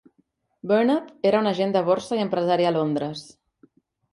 Burnup era un agent de borsa i empresari a Londres.